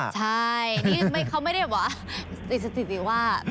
ใช่นี่เขาไม่ได้บอกว่าติดสถิติว่า